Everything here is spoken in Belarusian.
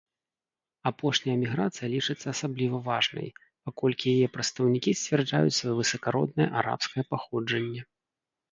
Апошняя міграцыя лічыцца асабліва важнай, паколькі яе прадстаўнікі сцвярджаюць сваё высакароднае арабскае паходжанне.